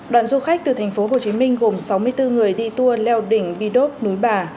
đoàn du khách từ tp hcm gồm sáu mươi bốn người đi tour leo đỉnh bi đốp núi bà